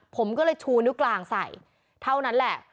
ผมก็เลยชูนิ้วกลางใส่เท่านั้นแหละ